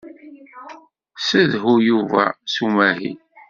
Ssedhu Yuba s umahil.